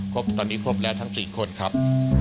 ตอนนี้ครบแล้วทั้ง๔คนครับ